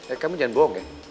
eh kamu jangan bohong ya